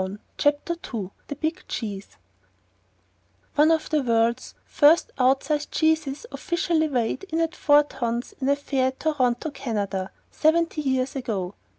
Chapter Two The Big Cheese One of the world's first outsize cheeses officially weighed in at four tons in a fair at Toronto, Canada, seventy years ago.